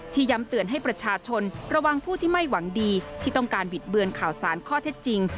ย้ำเตือนให้ประชาชนระวังผู้ที่ไม่หวังดีที่ต้องการบิดเบือนข่าวสารข้อเท็จจริง